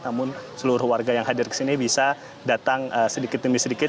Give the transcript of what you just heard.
namun seluruh warga yang hadir ke sini bisa datang sedikit demi sedikit